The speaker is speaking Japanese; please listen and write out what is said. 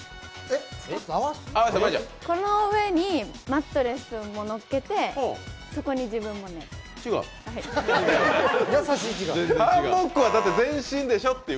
この上にマットレスを乗載っけてそこに自分も寝る。